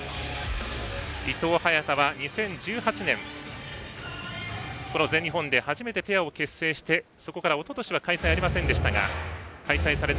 伊藤、早田は２０１８年この全日本で初めてペアを結成しておととしは開催ありませんでしたが開催された